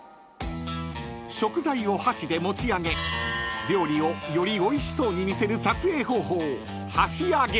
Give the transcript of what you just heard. ［食材を箸で持ち上げ料理をよりおいしそうに見せる撮影方法］